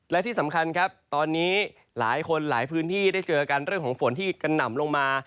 และที่สำคัญครับตอนนี้หลายคนหลายพื้นที่ได้เจอกันเรื่องของฝนที่กระหน่ำลงมา